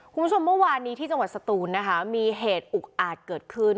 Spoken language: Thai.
คุณผู้ชมเมื่อวานนี้ที่จังหวัดสตูนนะคะมีเหตุอุกอาจเกิดขึ้น